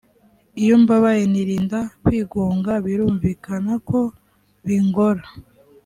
iyo mbabaye nirinda kwigunga birumvikana ko bingora